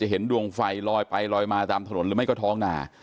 เห็นดวงไฟลอยไปลอยมาตามถนนหรือไม่ก็ท้องนา